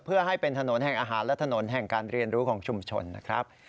เพื่อให้เป็นถนนแห่งอาหารและถนนแห่งการเรียนรู้ของชุมชนนะครับ